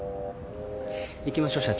行きましょう社長。